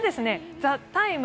「ＴＨＥＴＩＭＥ，」